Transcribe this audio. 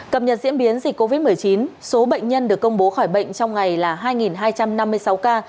cập nhật diễn biến dịch covid một mươi chín số bệnh nhân được công bố khỏi bệnh trong ngày là hai hai trăm năm mươi sáu ca